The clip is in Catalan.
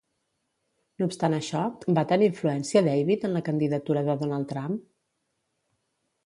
No obstant això, va tenir influència David en la candidatura de Donald Trump?